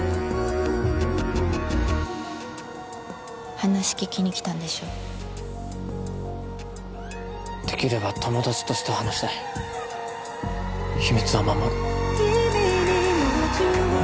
話聞きに来たんでしょできれば友達として話したい秘密は守る